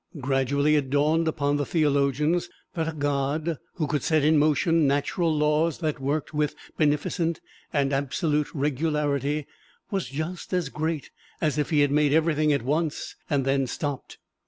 Gradually it dawned upon the theologians that a God who could set in motion natural laws that worked with beneficent and absolute regularity was just as great as if He had made everything at once and then stopped.